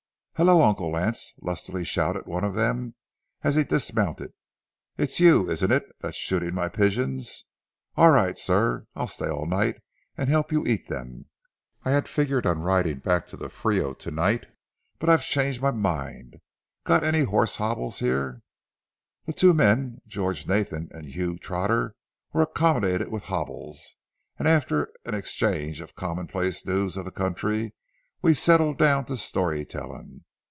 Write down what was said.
"Hello, Uncle Lance," lustily shouted one of them, as he dismounted. "It's you, is it, that's shooting my pigeons? All right, sir, I'll stay all night and help you eat them. I had figured on riding back to the Frio to night, but I've changed my mind. Got any horse hobbles here?" The two men, George Nathan and Hugh Trotter, were accommodated with hobbles, and after an exchange of commonplace news of the country, we settled down to story telling.